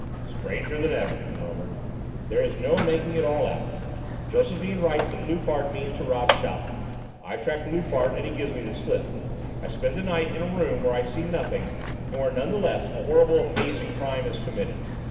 "Stranger than ever!" he murmured. "There is no making it all out. Josephine writes that Loupart means to rob Chaleck. I track Loupart and he gives me the slip. I spend a night in a room where I see nothing, and where nevertheless a horrible amazing crime is committed.